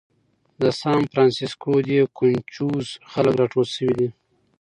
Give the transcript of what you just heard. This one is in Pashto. د سان فرانسیسکو دې کونچوز خلک راټول شوي دي.